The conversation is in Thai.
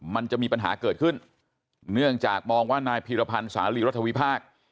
มันจะมีปัญหาเกิดขึ้นเนื่องจากมองว่านายพีรพันธ์สาลีรัฐวิพากษ์